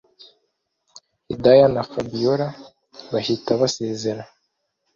hidaya na fabiora bahita basezera